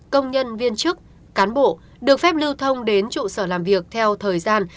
công nhân viên chức cán bộ được phép lưu thông đến trụ sở làm việc theo thời gian